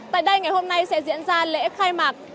tại đây ngày hôm nay sẽ diễn ra lễ khai mạc